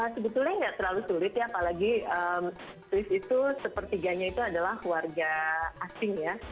sebetulnya nggak terlalu sulit ya apalagi swiss itu sepertiganya itu adalah warga asing ya